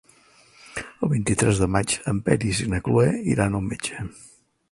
El vint-i-tres de maig en Peris i na Cloè iran al metge.